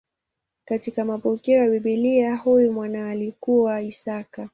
Katika mapokeo ya Biblia huyu mwana alikuwa Isaka.